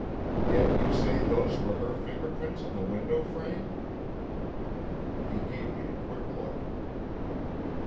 "Yet you say those were her fingerprints on the window frame?" He gave me a quick look.